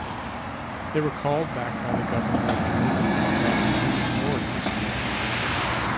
They were called back by the governor of Jamaica, but they ignored this order.